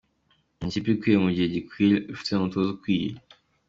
Ni ikipe ikwiye mu gihe gikwiye, ifite n'umutoza ukwiye.